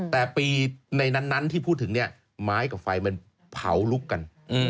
แต่ปีในนั้นที่พูดถึงเนี่ยไม้กับไฟมันเผาลุกกัน